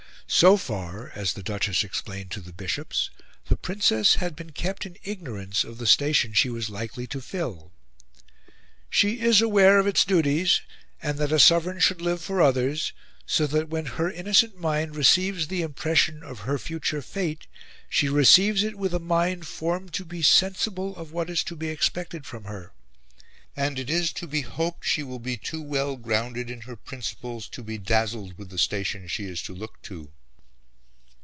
So far, as the Duchess explained to the Bishops, the Princess had been kept in ignorance of the station that she was likely to fill. "She is aware of its duties, and that a Sovereign should live for others; so that when Her innocent mind receives the impression of Her future fate, she receives it with a mind formed to be sensible of what is to be expected from Her, and it is to be hoped, she will be too well grounded in Her principles to be dazzled with the station she is to look to."